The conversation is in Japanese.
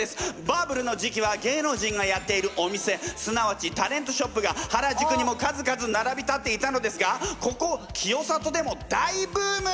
バブルの時期は芸能人がやっているお店すなわちタレントショップが原宿にも数々ならび立っていたのですがここ清里でも大ブーム！